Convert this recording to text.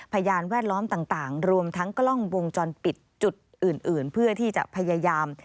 พยานแวดล้อมต่างรวมทั้งกล้องวงจรปิดจุดอื่นเพื่อที่จะพยายาม